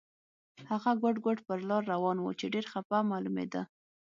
هغه ګوډ ګوډ پر لار روان و چې ډېر خپه معلومېده.